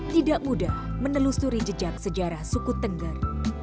tidak mudah menelusuri jejak sejarah suku tengger